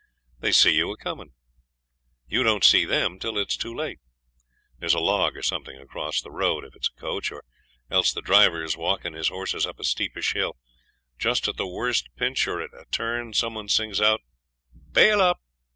They see you a coming. You don't see them till it's too late. There's a log or something across the road, if it's a coach, or else the driver's walking his horses up a steepish hill. Just at the worst pinch or at a turn, some one sings out 'Bail up.'